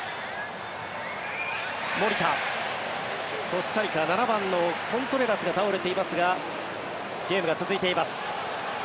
コスタリカは７番のコントレラスが倒れていますがゲームは続いています。